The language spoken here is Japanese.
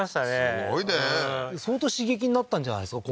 すごいね相当刺激になったんじゃないですか？